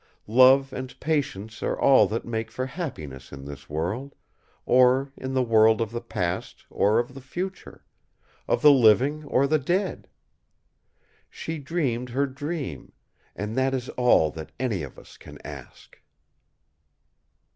Love and patience are all that make for happiness in this world; or in the world of the past or of the future; of the living or the dead. She dreamed her dream; and that is all that any of us can ask!"